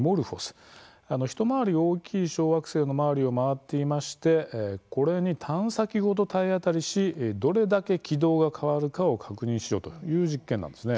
一回り大きい小惑星の周りを回っていましてこれに探査機ごと体当たりしどれだけ軌道が変わるかを確認しようという実験なんです。